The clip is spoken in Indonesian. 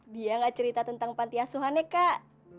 dia gak cerita tentang pantiasuhan ya kak